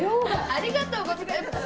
ありがとうございます。